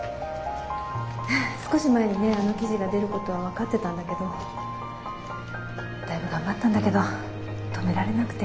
少し前にねあの記事が出ることは分かってたんだけどだいぶ頑張ったんだけど止められなくて。